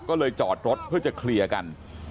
ก็เลยจอดรถเพื่อจะเคลียร์กัน